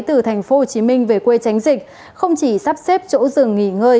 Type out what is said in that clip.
từ thành phố hồ chí minh về quê tránh dịch không chỉ sắp xếp chỗ dừng nghỉ ngơi